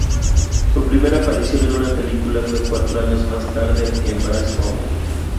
Su primera aparición en una película fue cuatro años más tarde en "Brainstorm".